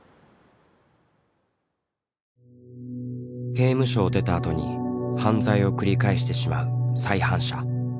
刑務所を出たあとに犯罪を繰り返してしまう再犯者。